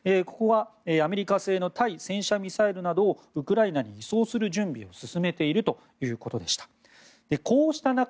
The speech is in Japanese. ここはアメリカ製の対戦車ミサイルなどをウクライナに輸送する準備を進めているということでした。